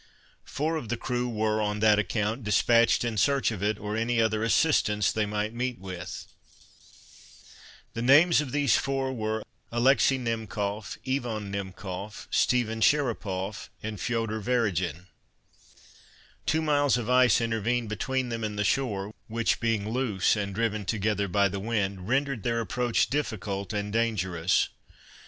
Four of the crew were on that account, dispatched in search of it, or any other assistance they might meet with. The names of these four were, Alexis Himkof, Iwan Himkof, Stephen Scharapof and Feoder Weregin. Two miles of ice intervened between them and the shore, which being loose and driven together by the wind, rendered their approach difficult and dangerous.